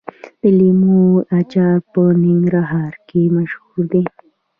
د لیمو اچار په ننګرهار کې مشهور دی.